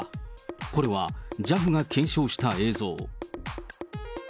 これはＪＡＦが検証した映像。